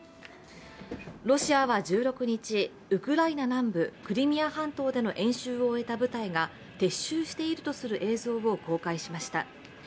ロシアは１６日、ウクライナ南部クリミア半島での演習を終えた部隊が撤収しているとする映像を公開しました。